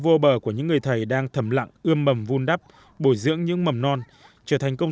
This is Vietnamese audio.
vô bờ của những người thầy đang thầm lặng ươm mầm vun đắp bồi dưỡng những mầm non trở thành công